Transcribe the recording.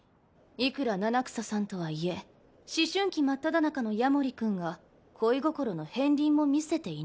いくら七草さんとはいえ思春期真っただ中の夜守君が恋心の片りんも見せていない。